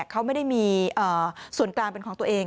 เขาไม่ได้มีส่วนกลางเป็นของตัวเอง